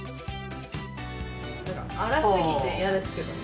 荒すぎて嫌ですけどね。